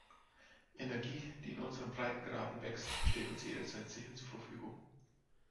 Energie, die in unseren Breitengraden wächst, steht uns jederzeit sicher zur Verfügung.